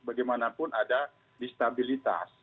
bagaimanapun ada destabilitas